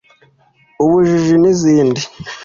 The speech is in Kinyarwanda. ubujiji n’izindi